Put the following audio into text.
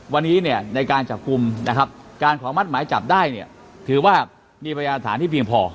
วันนี้ในการจับคุมการขอมัดหมายจับได้มีพยาฐานที่เพียงพอ